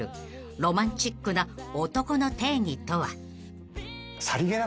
ロマンチックな男の定義とは？］